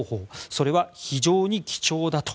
それは非常に貴重だと。